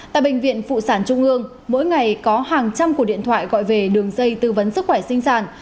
tại bệnh viện phụ sản trung ương mỗi ngày có hàng trăm cuộc điện thoại gọi về đường dây tư vấn sức khỏe sinh sản